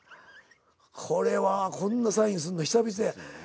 これはこんなサインするの久々や。